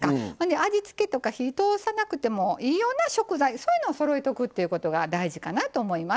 味付けとか火を通さなくてもいいような食材そういうのをそろえておくということが大事かなと思います。